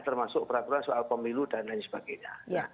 termasuk peraturan soal pemilu dan lain sebagainya